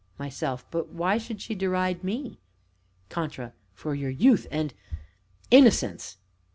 MYSELF. But why should she deride me? CONTRA. For your youth and innocence.